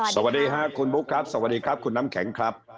สวัสดีค่ะคุณบุ๊คครับสวัสดีครับคุณน้ำแข็งครับ